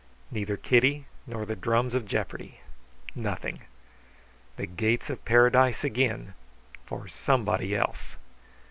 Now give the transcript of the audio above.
Neither Kitty nor the drums of jeopardy; nothing. The gates of paradise again for somebody else!